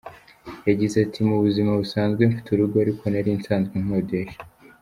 Yagize ati “Mu buzima busanzwe mfite urugo ariko nari nsanzwe nkodesha.